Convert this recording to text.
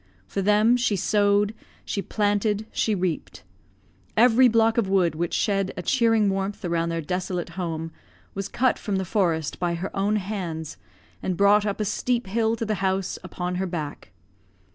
For them, she sowed, she planted, she reaped. Every block of wood which shed a cheering warmth around their desolate home was cut from the forest by her own hands, and brought up a steep hill to the house upon her back.